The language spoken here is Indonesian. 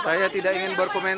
saya tidak ingin berkomentar